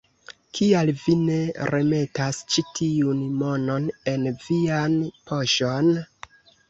Kial vi ne remetas ĉi tiun monon en vian poŝon?